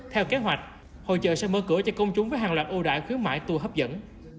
theo kế hoạch hồ chợ sẽ mở cửa cho công chúng với hàng loạt ưu đại khuyến mại tu hấp dẫn